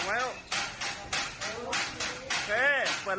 ปลอบภัยแล้วลูกปลอบภัยแล้ว